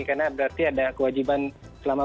karena berarti ada kewajiban selama